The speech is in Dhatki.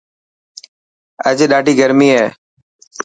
اڄ ڏاڌي گرمي هي.